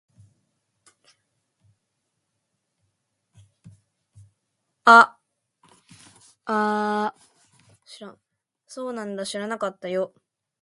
そうなんだ。知らなかったよ。